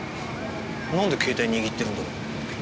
なんで携帯握ってるんだろう？